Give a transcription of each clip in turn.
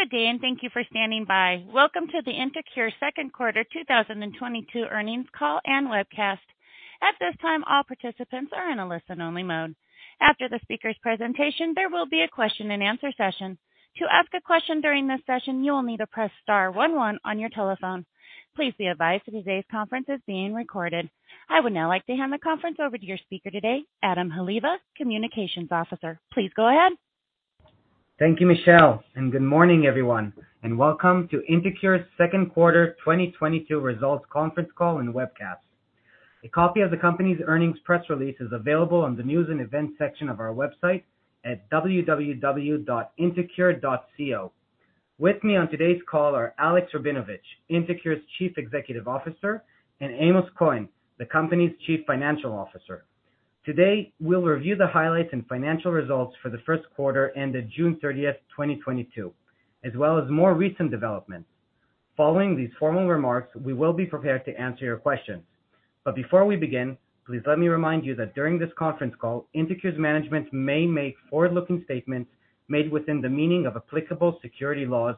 Good day, and thank you for standing by. Welcome to the InterCure Q2 2022 earnings call and webcast. At this time, all participants are in a listen-only mode. After the speaker's presentation, there will be a question and answer session. To ask a question during this session, you will need to press star one one on your telephone. Please be advised that today's conference is being recorded. I would now like to hand the conference over to your speaker today, Adam Haliva, Communications Officer. Please go ahead. Thank you, Michelle, and good morning, everyone, and welcome to InterCure's second quarter 2022 results conference call and webcast. A copy of the company's earnings press release is available on the news and events section of our website at www.intercure.co. With me on today's call are Alexander Rabinovitch, InterCure's CEO, and Amos Cohen, the company's CFO. Today, we'll review the highlights and financial results for the Q1 ended June 30, 2022, as well as more recent developments. Following these formal remarks, we will be prepared to answer your questions. Before we begin, please let me remind you that during this conference call, InterCure's management may make forward-looking statements made within the meaning of applicable securities laws.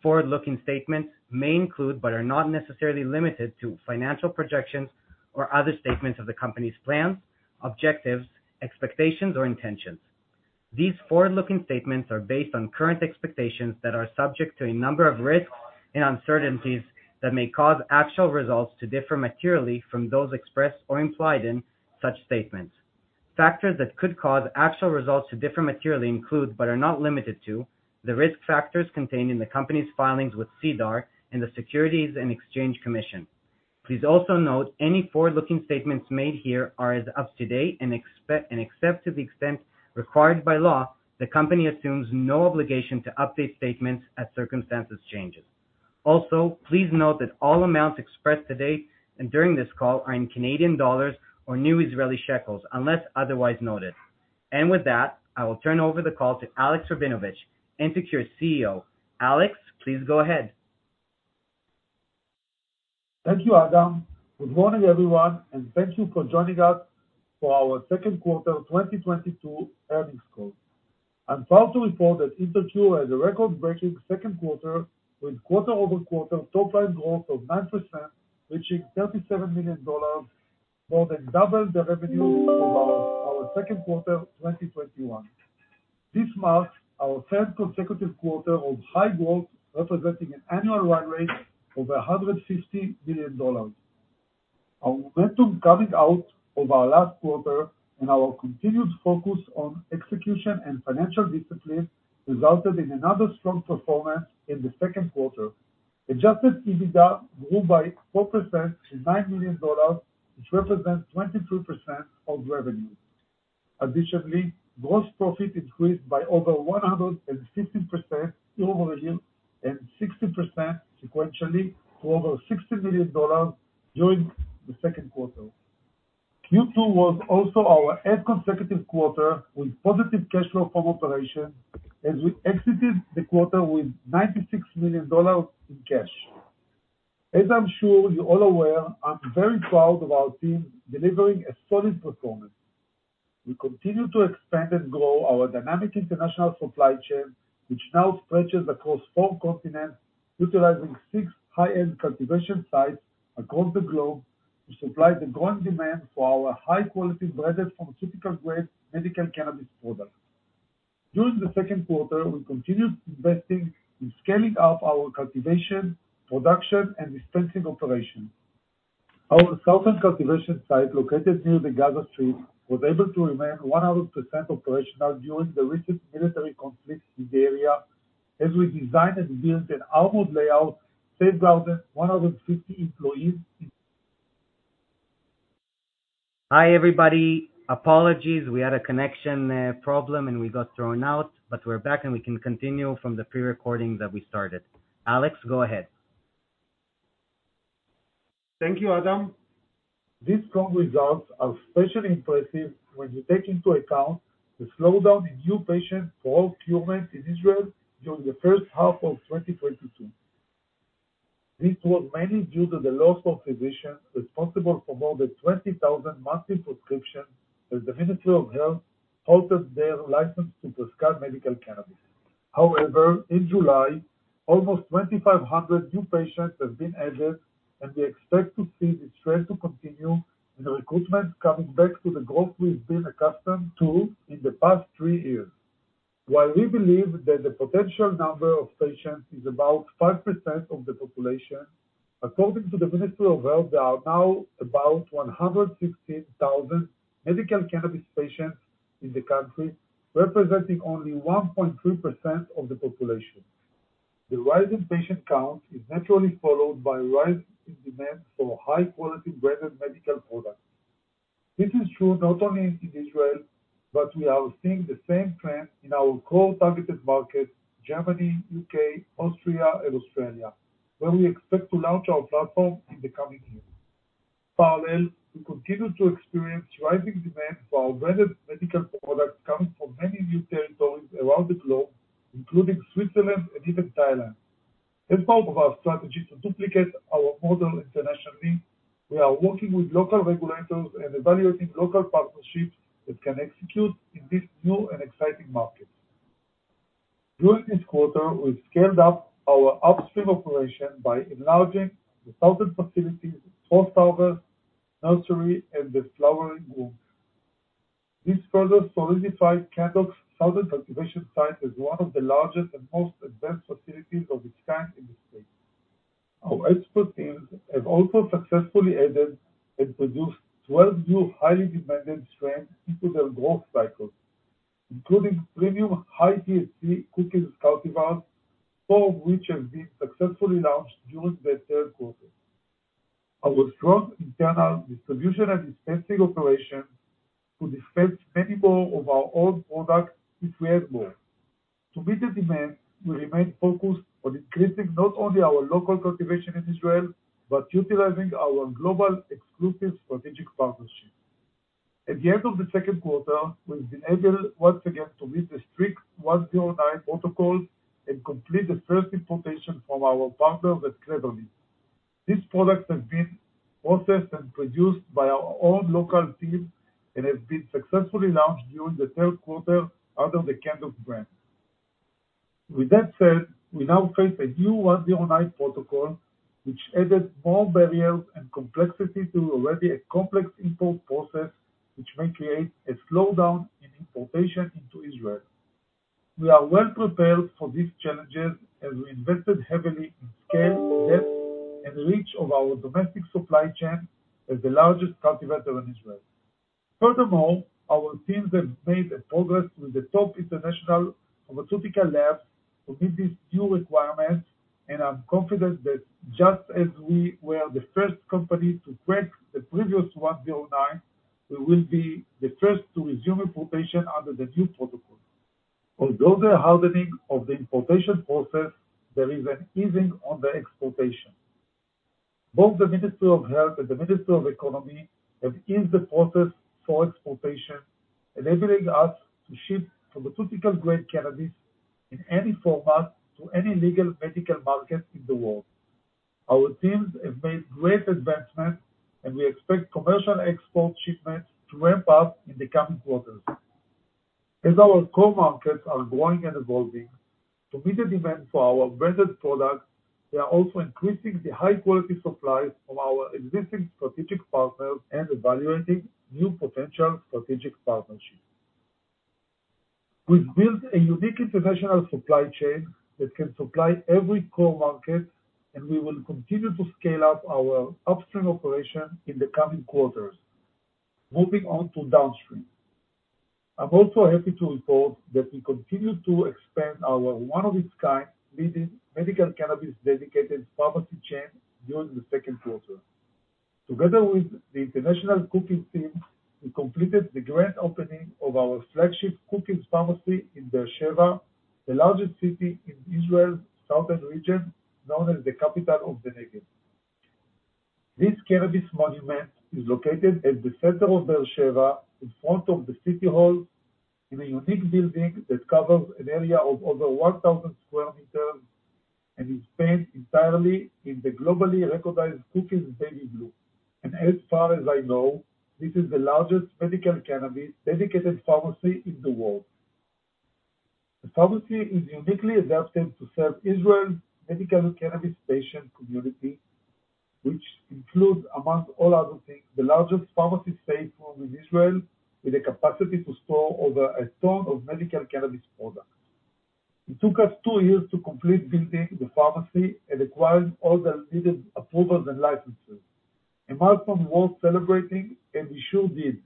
Forward-looking statements may include, but are not necessarily limited to financial projections or other statements of the company's plans, objectives, expectations, or intentions. These forward-looking statements are based on current expectations that are subject to a number of risks and uncertainties that may cause actual results to differ materially from those expressed or implied in such statements. Factors that could cause actual results to differ materially include, but are not limited to, the risk factors contained in the company's filings with SEDAR and the Securities and Exchange Commission. Please also note any forward-looking statements made here are as of today, and except to the extent required by law, the company assumes no obligation to update statements as circumstances changes. Also, please note that all amounts expressed today and during this call are in Canadian dollars or new Israeli shekels, unless otherwise noted. With that, I will turn over the call to Alexander Rabinovitch, InterCure's CEO. Alex, please go ahead. Thank you, Adam. Good morning, everyone, and thank you for joining us for our second quarter 2022 earnings call. I'm proud to report that InterCure had a record-breaking Q2 with quarter-over-quarter top line growth of 9%, reaching $37 million, more than double the revenue of our second quarter 2021. This marks our third consecutive quarter of high growth, representing an annual run rate over $150 million. Our momentum coming out of our last quarter and our continued focus on execution and financial discipline resulted in another strong performance in the Q2. Adjusted EBITDA grew by 4% to $9 million, which represents 22% of revenue. Additionally, gross profit increased by over 150% year-over-year and 60% sequentially to over $60 million during the second quarter. Q2 was also our eighth consecutive quarter with positive cash flow from operations as we exited the quarter with $96 million in cash. As I'm sure you're all aware, I'm very proud of our team delivering a solid performance. We continue to expand and grow our dynamic international supply chain, which now stretches across four continents, utilizing six high-end cultivation sites across the globe to supply the growing demand for our high-quality branded pharmaceutical-grade medical cannabis products. During the Q2, we continued investing in scaling up our cultivation, production, and dispensing operations. Our southern cultivation site located near the Gaza Strip was able to remain 100% operational during the recent military conflict in the area as we designed and built an armored layout, safeguarding 150 employees. Hi, everybody. Apologies, we had a connection problem, and we got thrown out, but we're back, and we can continue from the pre-recording that we started. Alex, go ahead. Thank you, Adam. These strong results are especially impressive when you take into account the slowdown in new patients for all treatments in Israel during the first half of 2022. This was mainly due to the loss of physicians responsible for more than 20,000 monthly prescriptions as the Ministry of Health halted their license to prescribe medical cannabis. However, in July, almost 2,500 new patients have been added, and we expect to see this trend to continue, with recruitment coming back to the growth we've been accustomed to in the past three years. While we believe that the potential number of patients is about 5% of the population, according to the Ministry of Health, there are now about 160,000 medical cannabis patients in the country, representing only 1.3% of the population. The rise in patient count is naturally followed by a rise in demand for high-quality branded medical products. This is true not only in Israel, but we are seeing the same trend in our core targeted markets, Germany, U.K., Austria, and Australia, where we expect to launch our platform in the coming year. Parallel, we continue to experience rising demand for our branded medical products coming from many new territories around the globe, including Switzerland and even Thailand. As part of our strategy to duplicate our model internationally, we are working with local regulators and evaluating local partnerships that can execute in these new and exciting markets. During this quarter, we've scaled up our upstream operation by enlarging the southern facility's growth house, nursery, and the flowering room. This further solidifies Canndoc's southern cultivation site as one of the largest and most advanced facilities of its kind in the state. Our expert teams have also successfully added and produced 12 new highly demanded strains into their growth cycles, including premium high-THC Cookies cultivars, four of which have been successfully launched during the third quarter. Our strong internal distribution and dispensing operation could dispense many more of our own products if we had more. To meet the demand, we remain focused on increasing not only our local cultivation in Israel, but utilizing our global exclusive strategic partnerships. At the end of the second quarter, we've been able once again to meet the strict Procedure 109 protocol and complete the first importation from our partner, MedReleaf. These products have been processed and produced by our own local teams and have been successfully launched during the third quarter under the Canndoc brand. With that said, we now face a new Procedure 109 protocol which added more barriers and complexity to already a complex import process which may create a slowdown in importation into Israel. We are well-prepared for these challenges as we invested heavily in scale, depth, and reach of our domestic supply chain as the largest cultivator in Israel. Furthermore, our teams have made a progress with the top international pharmaceutical labs to meet these new requirements, and I'm confident that just as we were the first company to crack the previous Procedure 109, we will be the first to resume importation under the new protocol. Although the hardening of the importation process, there is an easing on the exportation. Both the Ministry of Health and the Ministry of Economy have eased the process for exportation, enabling us to ship pharmaceutical-grade cannabis in any format to any legal medical market in the world. Our teams have made great advancements, and we expect commercial export shipments to ramp up in the coming quarters. As our core markets are growing and evolving, to meet the demand for our branded products, we are also increasing the high-quality supplies from our existing strategic partners and evaluating new potential strategic partnerships. We've built a unique international supply chain that can supply every core market, and we will continue to scale up our upstream operation in the coming quarters. Moving on to downstream. I'm also happy to report that we continued to expand our one-of-a-kind leading medical cannabis-dedicated pharmacy chain during the second quarter. Together with the international Cookies team, we completed the grand opening of our flagship Cookies pharmacy in Be'er Sheva, the largest city in Israel's southern region, known as the capital of the Negev. This cannabis monument is located at the center of Be'er Sheva in front of the city hall in a unique building that covers an area of over 1,000 square meters and is painted entirely in the globally recognized Cookies baby blue. As far as I know, this is the largest medical cannabis-dedicated pharmacy in the world. The pharmacy is uniquely adapted to serve Israel's medical cannabis patient community, which includes, among all other things, the largest pharmacy safe room in Israel with a capacity to store over a ton of medical cannabis products. It took us two years to complete building the pharmacy and acquiring all the needed approvals and licenses. A milestone worth celebrating, and we sure did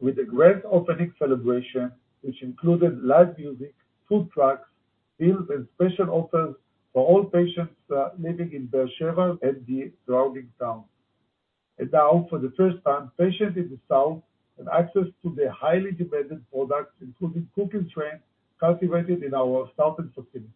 with a grand opening celebration, which included live music, food trucks, deals, and special offers for all patients that are living in Be'er Sheva and the surrounding towns. Now, for the first time, patients in the south have access to the highly demanded products, including Cookies strains cultivated in our southern facility.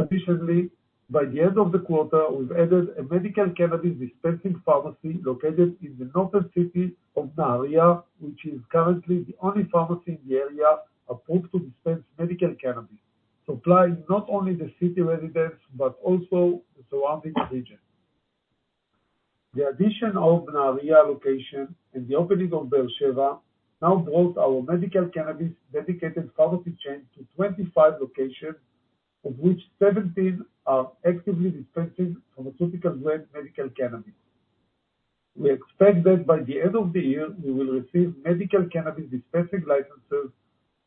Additionally, by the end of the quarter, we've added a medical cannabis dispensing pharmacy located in the northern city of Nahariya, which is currently the only pharmacy in the area approved to dispense medical cannabis, supplying not only the city residents, but also the surrounding region. The addition of Nahariya location and the opening of Be'er Sheva now grows our medical cannabis-dedicated pharmacy chain to 25 locations, of which 17 are actively dispensing pharmaceutical-grade medical cannabis. We expect that by the end of the year, we will receive medical cannabis dispensing licenses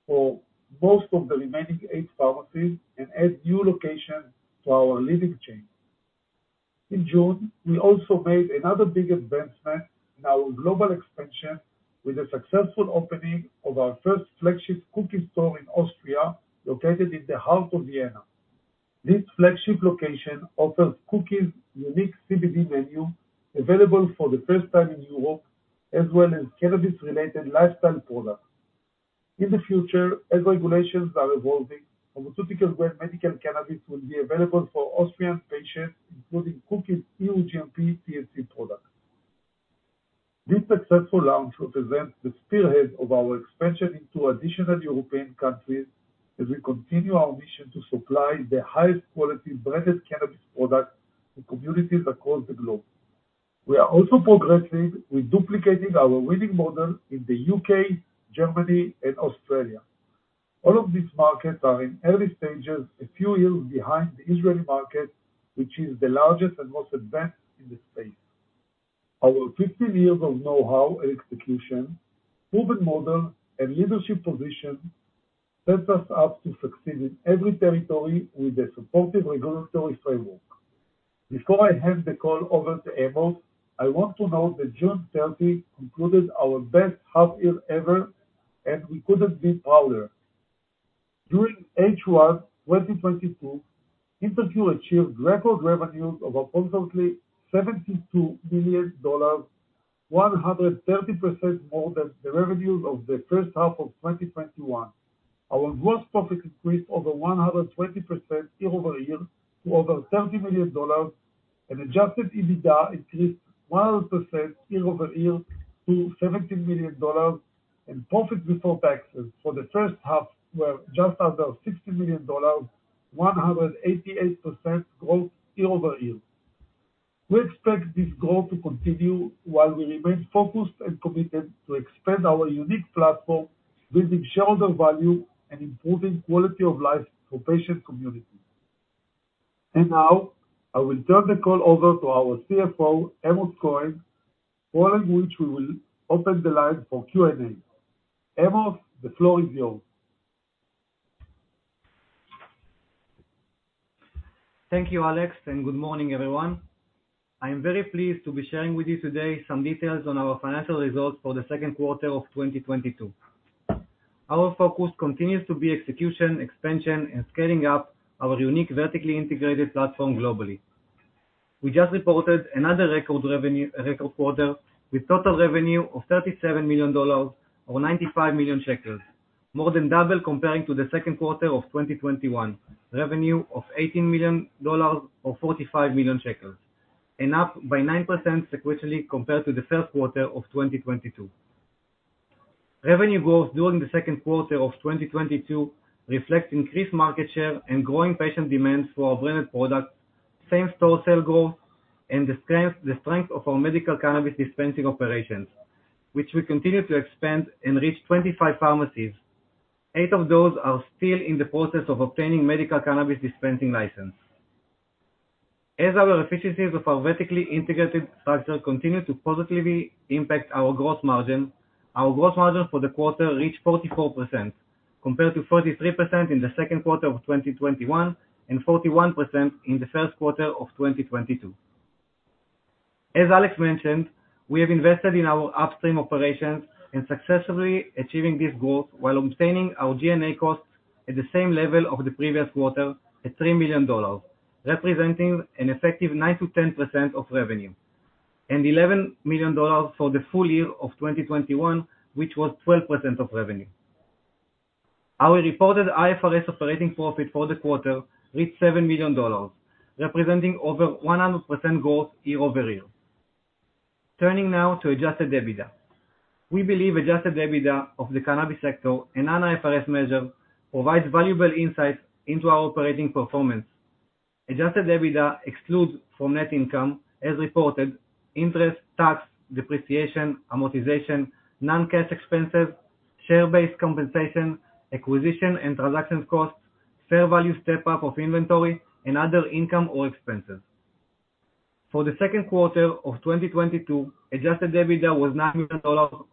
for most of the remaining eight pharmacies and add new locations to our leading chain. In June, we also made another big advancement in our global expansion with the successful opening of our first flagship Cookies store in Austria, located in the heart of Vienna. This flagship location offers Cookies' unique CBD menu available for the first time in Europe, as well as cannabis-related lifestyle products. In the future, as regulations are evolving, pharmaceutical-grade medical cannabis will be available for Austrian patients, including Cookies' EU-GMP THC products. This successful launch represents the spearhead of our expansion into additional European countries as we continue our mission to supply the highest quality branded cannabis products to communities across the globe. We are also progressing with duplicating our winning model in the United Kingdom, Germany, and Australia. All of these markets are in early stages, a few years behind the Israeli market, which is the largest and most advanced in this space. Our 15 years of know-how and execution, proven model, and leadership position sets us up to succeed in every territory with a supportive regulatory framework. Before I hand the call over to Amos, I want to note that June 30th concluded our best half year ever, and we couldn't be prouder. During H1 2022, InterCure achieved record revenues of approximately ILS 72 million, 130% more than the revenues of the first half of 2021. Our gross profit increased over 120% year-over-year to over $30 million and adjusted EBITDA increased 100% year-over-year to $17 million and profit before taxes for the first half were just under $60 million, 188% growth year-over-year. We expect this growth to continue while we remain focused and committed to expand our unique platform, building shareholder value and improving quality of life for patient communities. Now I will turn the call over to our CFO, Amos Cohen, following which we will open the line for Q&A. Amos, the floor is yours. Thank you, Alex, and good morning, everyone. I am very pleased to be sharing with you today some details on our financial results for the Q2 of 2022. Our focus continues to be execution, expansion, and scaling up our unique vertically integrated platform globally. We just reported another record revenue, record quarter with total revenue of $37 million or 95 million shekels, more than double compared to the second quarter of 2021, revenue of $18 million or 45 million shekels, and up by 9% sequentially compared to the first quarter of 2022. Revenue growth during the second quarter of 2022 reflects increased market share and growing patient demand for our branded products, same-store sales growth, and the strength of our medical cannabis dispensing operations, which we continue to expand and reach 25 pharmacies. Eight of those are still in the process of obtaining medical cannabis dispensing license. Our efficiencies of our vertically integrated structure continue to positively impact our gross margin. Our gross margin for the quarter reached 44% compared to 33% in the second quarter of 2021 and 41% in the first quarter of 2022. Alex mentioned we have invested in our upstream operations and successfully achieving this growth while maintaining our G&A costs at the same level of the previous quarter at ILS 3 million, representing an effective 9%-10% of revenue, and ILS 11 million for the full year of 2021, which was 12% of revenue. Our reported IFRS operating profit for the quarter reached ILS 7 million, representing over 100% growth year-over-year. Turning now to adjusted EBITDA. We believe adjusted EBITDA of the cannabis sector, a non-IFRS measure, provides valuable insight into our operating performance. Adjusted EBITDA excludes from net income as reported interest, tax, depreciation, amortization, non-cash expenses, share-based compensation, acquisition and transaction costs, fair value step up of inventory and other income or expenses. For the Q2 of 2022, adjusted EBITDA was $9 million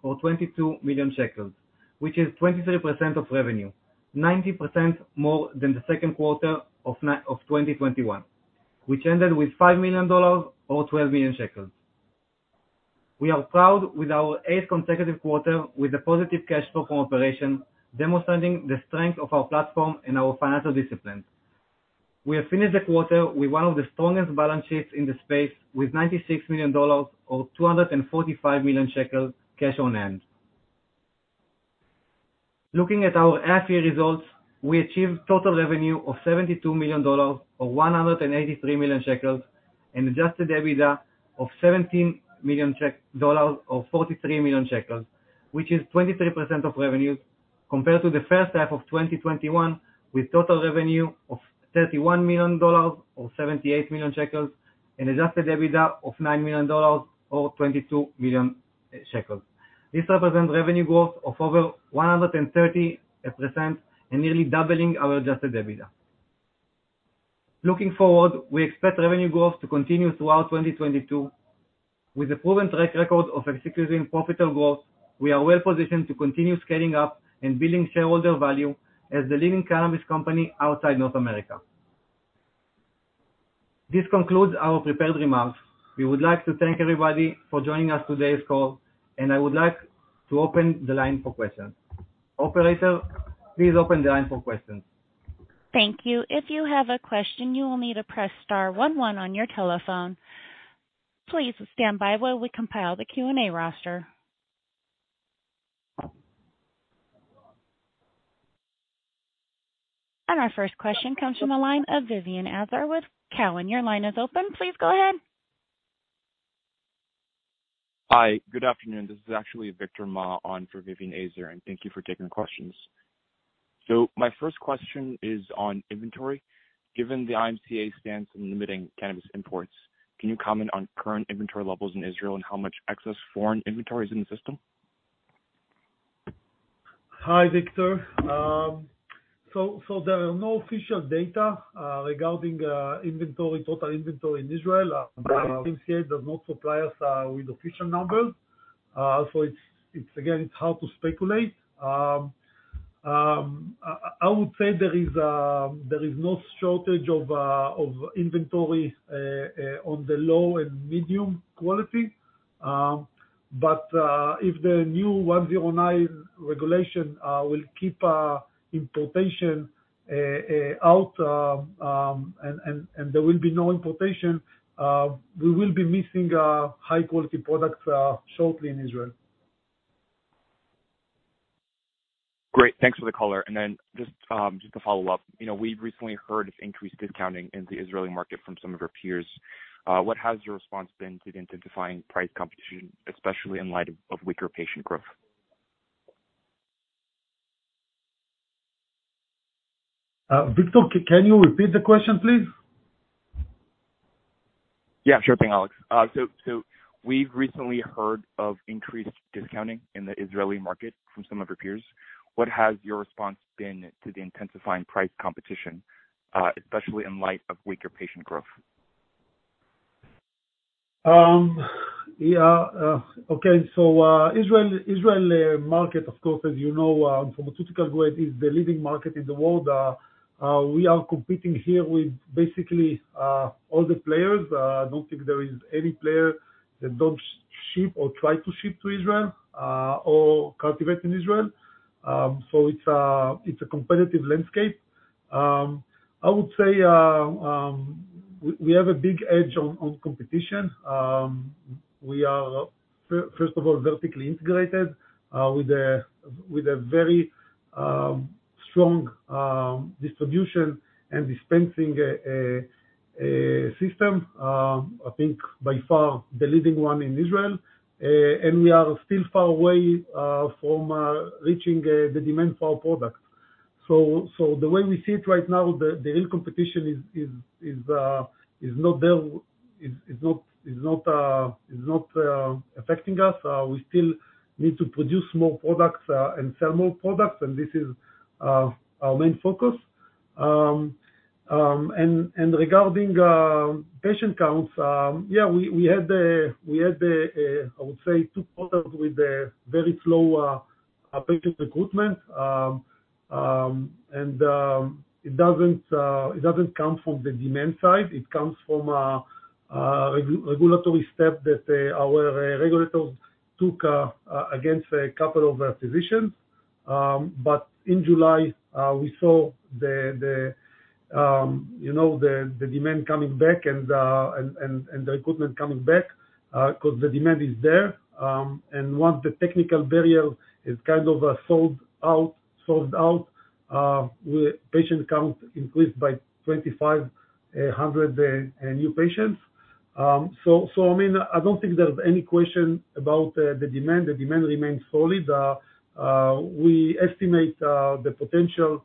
or 22 million shekels, which is 23% of revenue, 90% more than the second quarter of 2021, which ended with $5 million or 12 million shekels. We are proud with our 8th consecutive quarter with a positive cash flow from operation, demonstrating the strength of our platform and our financial discipline. We have finished the quarter with one of the strongest balance sheets in the space, with $96 million or 245 million shekels cash on hand. Looking at our half year results, we achieved total revenue of 72 million dollars or 183 million shekels and adjusted EBITDA of 17 million dollars or 43 million shekels, which is 23% of revenues compared to the first half of 2021, with total revenue of 31 million dollars or 78 million shekels and adjusted EBITDA of 9 million dollars or 22 million shekels. This represents revenue growth of over 130% and nearly doubling our adjusted EBITDA. Looking forward, we expect revenue growth to continue throughout 2022. With a proven track record of executing profitable growth, we are well positioned to continue scaling up and building shareholder value as the leading cannabis company outside North America. This concludes our prepared remarks. We would like to thank everybody for joining us on today's call, and I would like to open the line for questions. Operator, please open the line for questions. Thank you. If you have a question, you will need to press star one one on your telephone. Please stand by while we compile the Q&A roster. Our first question comes from the line of Vivien Azer with Cowen. Your line is open. Please go ahead. Hi. Good afternoon. This is actually Victor Ma on for Vivien Azer, and thank you for taking the questions. My first question is on inventory. Given the IMCA stance in limiting cannabis imports, can you comment on current inventory levels in Israel and how much excess foreign inventory is in the system? Hi, Victor Ma. There are no official data regarding inventory, total inventory in Israel. IMCA does not supply us with official numbers. Again, it's hard to speculate. I would say there is no shortage of inventory on the low and medium quality. If the new Procedure 109 regulation will keep importation out and there will be no importation, we will be missing high quality products shortly in Israel. Great. Thanks for the color. Just to follow up. You know, we've recently heard of increased discounting in the Israeli market from some of your peers. What has your response been to the intensifying price competition, especially in light of weaker patient growth? Victor, can you repeat the question, please? Yeah, sure thing, Alex. We've recently heard of increased discounting in the Israeli market from some of your peers. What has your response been to the intensifying price competition, especially in light of weaker patient growth? Israel market, of course, as you know, pharmaceutical grade is the leading market in the world. We are competing here with basically all the players. I don't think there is any player that don't ship or try to ship to Israel or cultivate in Israel. It's a competitive landscape. I would say we have a big edge on competition. We are first of all vertically integrated with a very strong distribution and dispensing system. I think by far the leading one in Israel. We are still far away from reaching the demand for our product. The way we see it right now, the real competition is not there, is not affecting us. We still need to produce more products and sell more products, and this is our main focus. Regarding patient counts, yeah, we had, I would say, two quarters with a very slow patient recruitment. It doesn't come from the demand side. It comes from regulatory step that our regulators took against a couple of our physicians. In July, we saw you know, the demand coming back and the recruitment coming back 'cause the demand is there. Once the technical barrier is kind of sold out, our patient count increased by 2,500 new patients. I mean, I don't think there's any question about the demand. The demand remains solid. We estimate the potential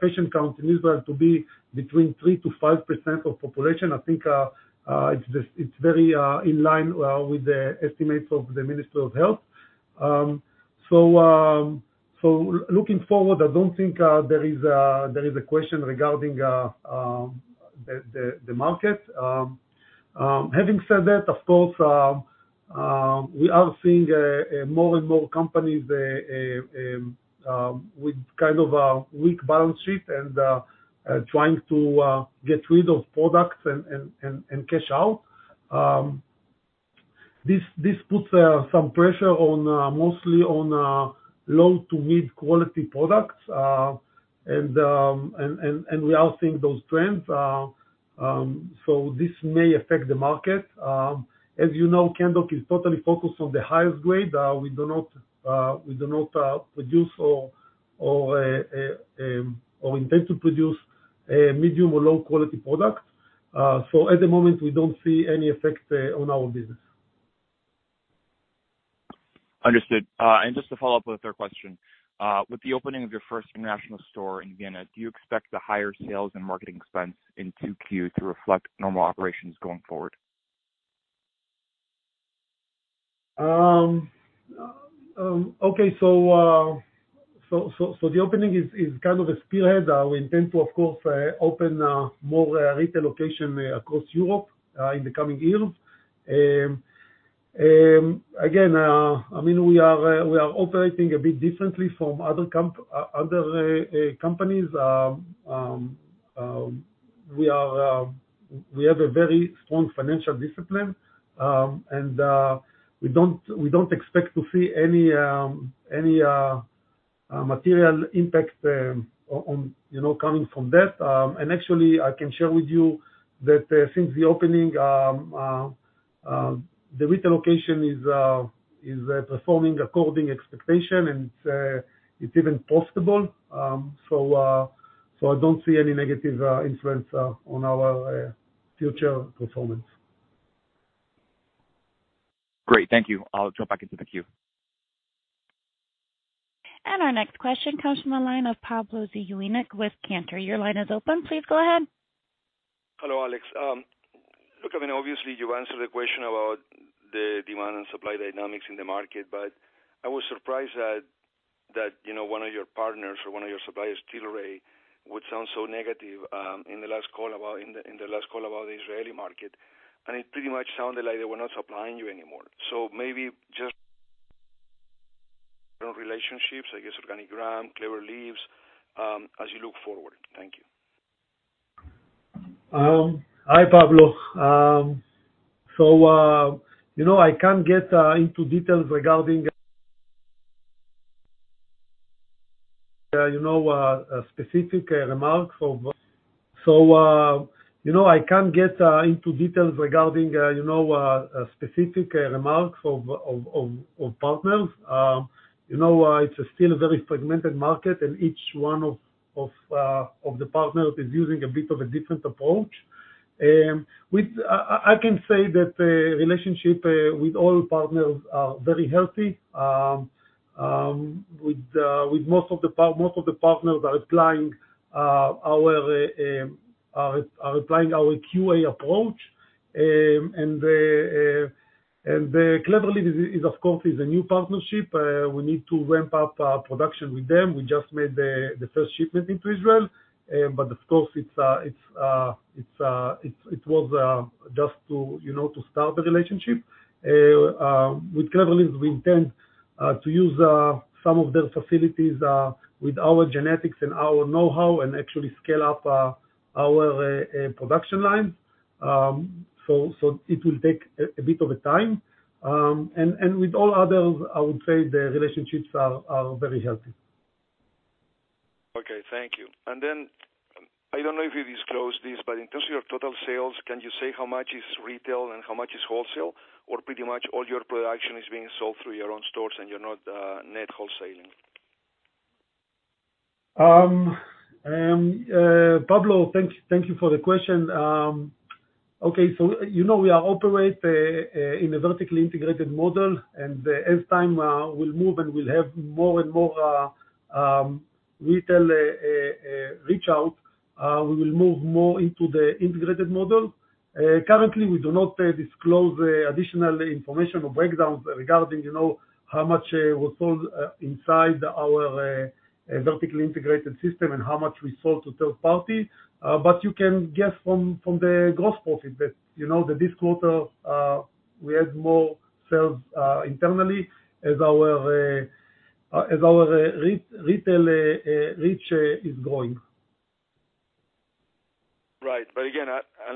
patient count in Israel to be between 3%-5% of population. I think it's just very in line with the estimates of the Ministry of Health. Looking forward, I don't think there is a question regarding the market. Having said that, of course, we are seeing more and more companies with kind of a weak balance sheet and trying to get rid of products and cash out. This puts some pressure on mostly low to mid quality products. We are seeing those trends. This may affect the market. As you know, Canndoc is totally focused on the highest grade. We do not produce or intend to produce a medium or low quality product. At the moment, we don't see any effect on our business. Understood. Just to follow up with a third question. With the opening of your first international store in Vienna, do you expect the higher sales and marketing expense in 2Q to reflect normal operations going forward? Okay. The opening is kind of a spearhead. We intend to of course open more retail locations across Europe in the coming years. Again, I mean, we are operating a bit differently from other companies. We have a very strong financial discipline, and we don't expect to see any material impact on, you know, coming from that. Actually, I can share with you that since the opening, the location is performing according to expectation, and it's even profitable. I don't see any negative influence on our future performance. Great. Thank you. I'll jump back into the queue. Our next question comes from the line of Pablo Zuanic with Cantor. Your line is open. Please go ahead. Hello, Alex. Look, I mean, obviously, you answered the question about the demand and supply dynamics in the market, but I was surprised that, you know, one of your partners or one of your suppliers, Tilray, would sound so negative in the last call about the Israeli market. It pretty much sounded like they were not supplying you anymore. Maybe just relationships, I guess, OrganiGram, Clever Leaves, as you look forward. Thank you. Hi, Pablo. You know, I can't get into details regarding specific remarks of partners. You know, it's still a very fragmented market, and each one of the partners is using a bit of a different approach. I can say that relationship with all partners are very healthy. With most of the partners are applying our QA approach. The Clever Leaves is, of course, a new partnership. We need to ramp up our production with them. We just made the first shipment into Israel. Of course, it was just to, you know, to start the relationship with Clever Leaves. We intend to use some of their facilities with our genetics and our know-how and actually scale up our production line. It will take a bit of a time. With all others, I would say the relationships are very healthy. Okay. Thank you. Then, I don't know if you disclosed this, but in terms of your total sales, can you say how much is retail and how much is wholesale, or pretty much all your production is being sold through your own stores and you're not net wholesaling? Pablo, thank you for the question. Okay. You know, we operate in a vertically integrated model, and as time will move and we'll have more and more retail reach, we will move more into the integrated model. Currently, we do not disclose additional information or breakdowns regarding, you know, how much was sold inside our vertically integrated system and how much we sold to third party. You can guess from the gross profit that, you know, that this quarter we had more sales internally as our retail reach is growing. Right. Again,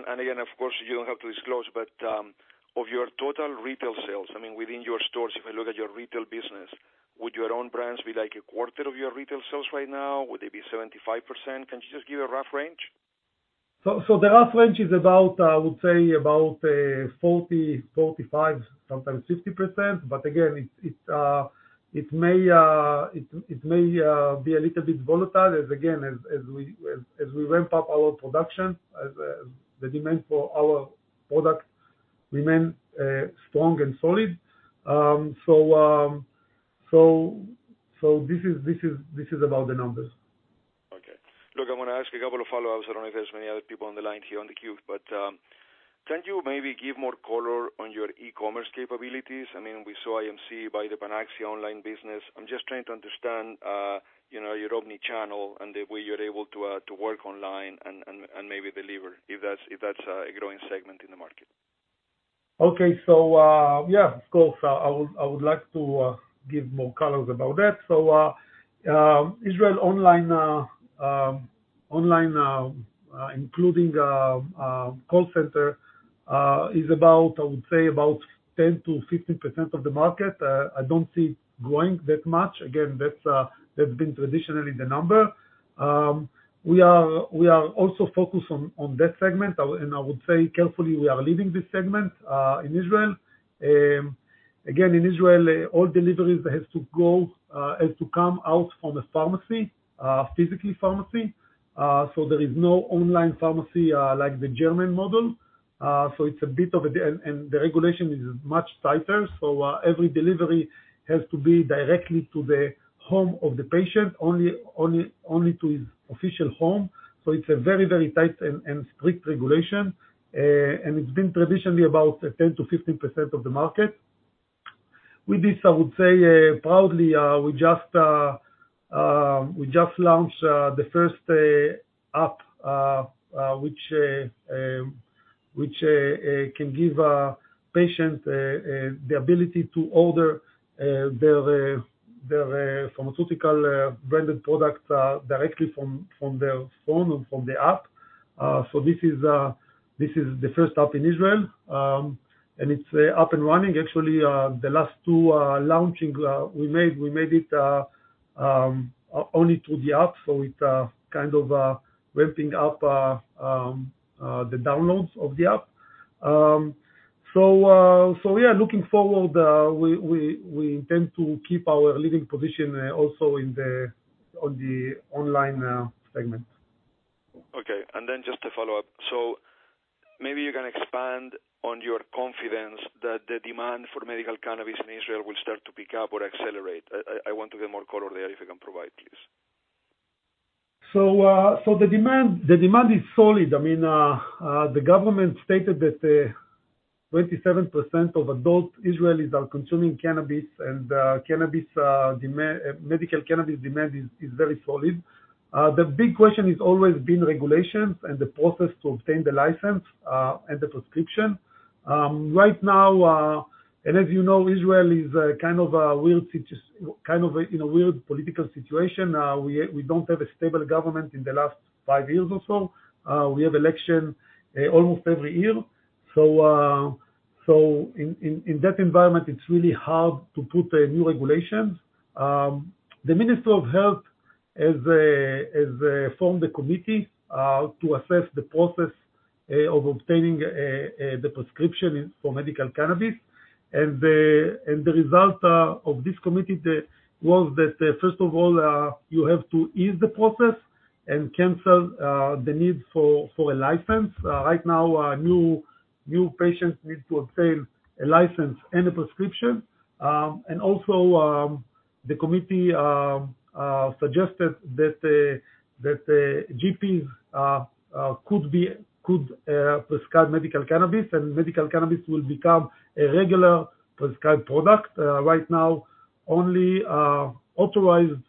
and again, of course, you don't have to disclose, but, of your total retail sales, I mean, within your stores, if I look at your retail business, would your own brands be like a quarter of your retail sales right now? Would they be 75%? Can you just give a rough range? The rough range is about, I would say about, 40%-45%, sometimes 50%. But again, it may be a little bit volatile as we ramp up our production, as the demand for our product remain strong and solid. This is about the numbers. Okay. Look, I'm gonna ask you a couple of follow-ups. I don't know if there's many other people on the line here on the queue. Can you maybe give more color on your e-commerce capabilities? I mean, we saw IMC buy the Panaxia online business. I'm just trying to understand, you know, your omni-channel and the way you're able to work online and maybe deliver, if that's a growing segment in the market. Okay. Yeah, of course, I would like to give more colors about that. Israeli online, including call center, is about, I would say, about 10%-15% of the market. I don't see it growing that much. Again, that's been traditionally the number. We are also focused on that segment, and I would say carefully we are leading this segment in Israel. Again, in Israel, all deliveries has to come out from a physical pharmacy, so there is no online pharmacy like the German model. It's a bit of a. The regulation is much tighter, so every delivery has to be directly to the home of the patient, only to his official home. It's a very tight and strict regulation. It's been traditionally about 10%-15% of the market. With this, I would say proudly we just launched the first app which can give patients the ability to order their pharmaceutical branded products directly from their phone or from the app. This is the first app in Israel and it's up and running. Actually, the last two launches we made it only through the app, so it kind of ramping up the downloads of the app. We are looking forward, we intend to keep our leading position also in the online segment. Okay. Just to follow up. Maybe you can expand on your confidence that the demand for medical cannabis in Israel will start to pick up or accelerate. I want to get more color there, if you can provide, please. The demand is solid. I mean, the government stated that 27% of adult Israelis are consuming cannabis and cannabis demand. Medical cannabis demand is very solid. The big question has always been regulations and the process to obtain the license and the prescription. Right now, and as you know, Israel is kind of a weird situation. Kind of a, you know, weird political situation. We don't have a stable government in the last five years or so. We have election almost every year. In that environment, it's really hard to put a new regulations. The Minister of Health has formed a committee to assess the process of obtaining the prescription is, for medical cannabis. The result of this committee was that first of all you have to ease the process and cancel the need for a license. Right now new patients need to obtain a license and a prescription. The committee suggested that GPs could prescribe medical cannabis, and medical cannabis will become a regular prescribed product. Right now only authorized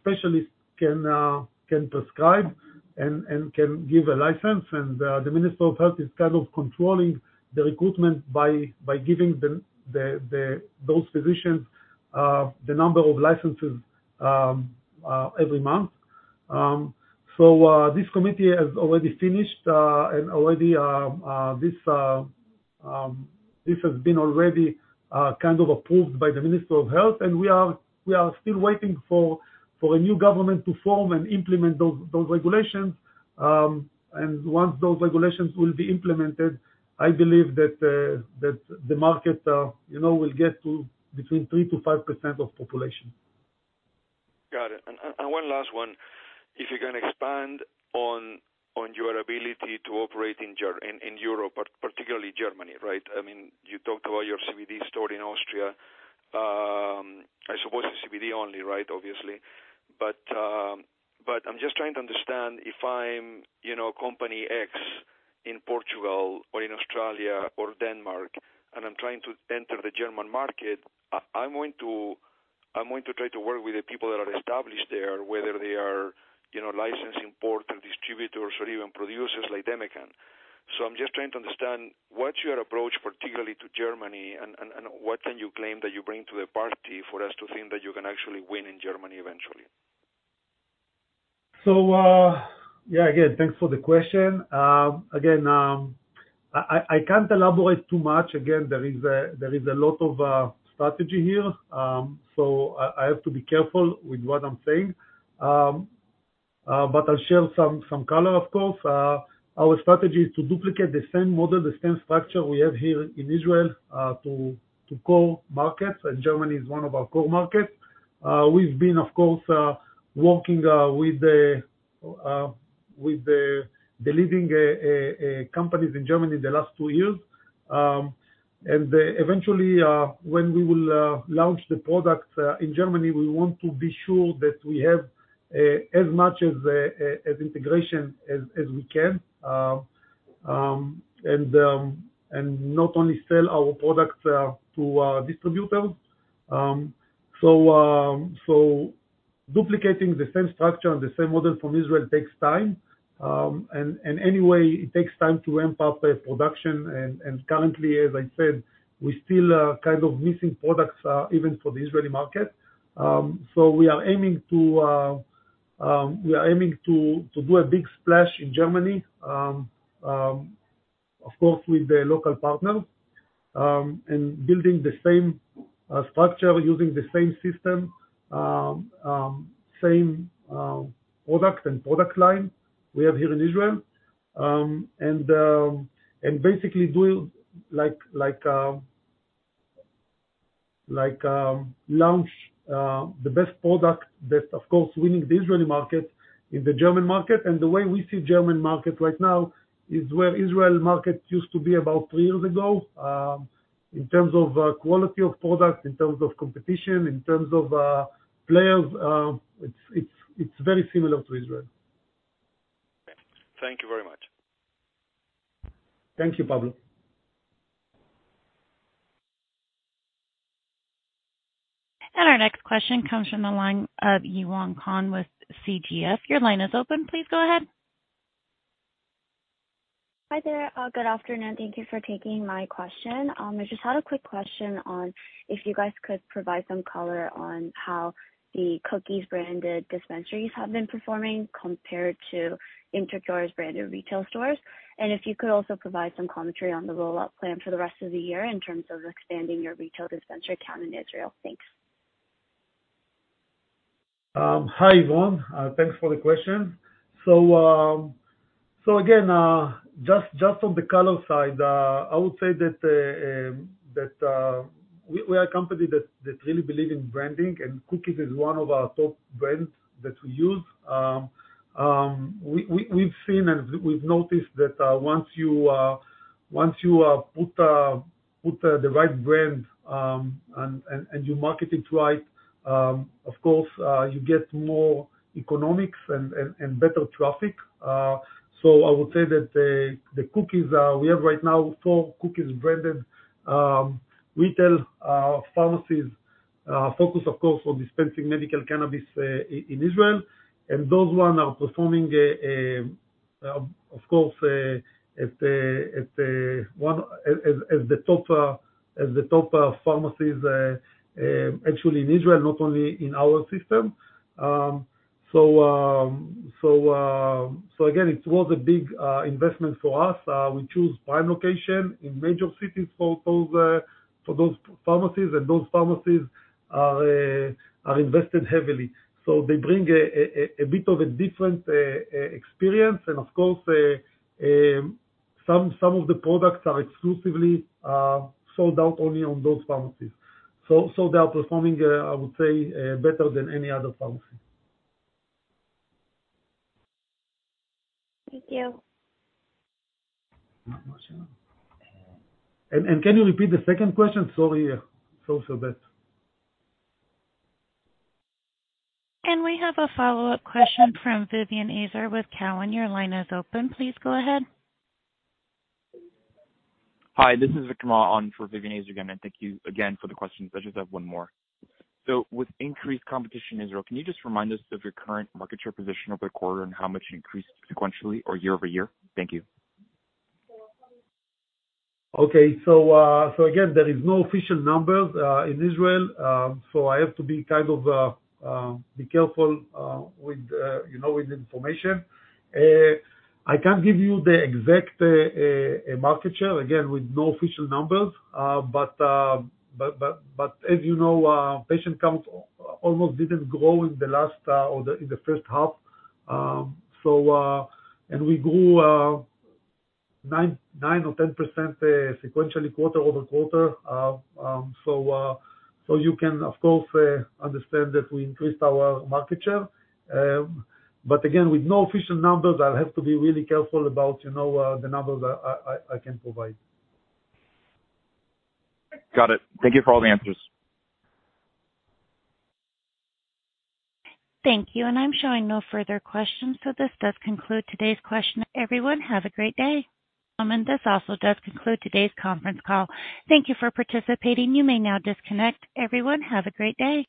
specialists can prescribe and can give a license. The Ministry of Health is kind of controlling the recruitment by giving those physicians the number of licenses every month. This committee has already finished, and this has been already kind of approved by the Minister of Health. We are still waiting for a new government to form and implement those regulations. Once those regulations will be implemented, I believe that the market, you know, will get to between 3%-5% of population. Got it. One last one. If you can expand on your ability to operate in Germany, in Europe, particularly Germany, right? I mean, you talked about your CBD store in Austria. I suppose it's CBD only, right? Obviously. I'm just trying to understand if I'm, you know, company X in Portugal or in Australia or Denmark, and I'm trying to enter the German market, I'm going to try to work with the people that are established there, whether they are, you know, licensed importer, distributors or even producers like DEMECAN. I'm just trying to understand what's your approach, particularly to Germany and what can you claim that you bring to the party for us to think that you can actually win in Germany eventually? Yeah, again, thanks for the question. Again, I can't elaborate too much. Again, there is a lot of strategy here, so I have to be careful with what I'm saying. I'll share some color, of course. Our strategy is to duplicate the same model, the same structure we have here in Israel, to core markets, and Germany is one of our core markets. We've been, of course, working with the leading companies in Germany the last two years. Eventually, when we will launch the product in Germany, we want to be sure that we have as much integration as we can, and not only sell our products to distributors. Duplicating the same structure and the same model from Israel takes time. Anyway, it takes time to ramp up the production. Currently, as I said, we still are kind of missing products even for the Israeli market. We are aiming to do a big splash in Germany, of course, with the local partners, and building the same structure, using the same system, same product and product line we have here in Israel. Basically doing like launch the best product that, of course, winning the Israeli market and the German market. The way we see German market right now is where Israeli market used to be about three years ago, in terms of quality of products, in terms of competition, in terms of players, it's very similar to Israel. Thank you very much. Thank you, Pablo. Our next question comes from the line of Yuong Khan with CGF. Your line is open. Please go ahead. Hi there. Good afternoon. Thank you for taking my question. I just had a quick question on if you guys could provide some color on how the Cookies-branded dispensaries have been performing compared to InterCure branded retail stores? If you could also provide some commentary on the rollout plan for the rest of the year in terms of expanding your retail dispensary count in Israel. Thanks. Hi, Yvonne. Thanks for the question. Again, just on the color side, I would say that we are a company that really believe in branding, and Cookies is one of our top brands that we use. We have seen and we have noticed that once you put the right brand and you market it right, of course, you get more economics and better traffic. I would say that the Cookies we have right now four Cookies-branded retail pharmacies focus, of course, on dispensing medical cannabis in Israel. Those one are performing, of course, at a one. As the top pharmacies actually in Israel, not only in our system. Again, it was a big investment for us. We choose prime location in major cities for those pharmacies. Those pharmacies are invested heavily. They bring a bit of a different experience. Of course, some of the products are exclusively sold only on those pharmacies. They are performing, I would say, better than any other pharmacy. Thank you. Can you repeat the second question? Sorry for that. We have a follow-up question from Vivien Azer with Cowen. Your line is open. Please go ahead. Hi, this is Vikram on for Vivien Azer again, and thank you again for the questions. I just have one more. With increased competition in Israel, can you just remind us of your current market share position over the quarter and how much it increased sequentially or year over year? Thank you. Okay. Again, there is no official numbers in Israel, so I have to be kind of careful with you know with information. I can't give you the exact market share, again, with no official numbers. As you know, patient count almost didn't grow in the last or in the first half. We grew nine or 10% sequentially quarter-over-quarter. You can of course understand that we increased our market share. Again, with no official numbers, I'll have to be really careful about you know the numbers I can provide. Got it. Thank you for all the answers. Thank you. I'm showing no further questions, so this does conclude today's question. Everyone, have a great day. This also does conclude today's conference call. Thank you for participating. You may now disconnect. Everyone, have a great day.